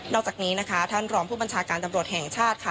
อกจากนี้นะคะท่านรองผู้บัญชาการตำรวจแห่งชาติค่ะ